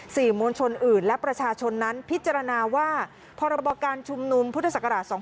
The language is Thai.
สื่อมวลชนอื่นและประชาชนนั้นพิจารณาว่าพรการชุมนุมพศ๒๕๕๘